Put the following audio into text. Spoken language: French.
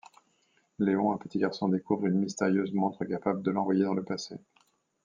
Léon, un petit garçon, découvre une mystérieuse montre capable de l’envoyer dans le passé.